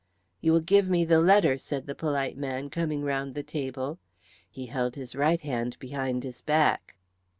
"You will give me the letter," said the polite man, coming round the table. He held his right hand behind his back.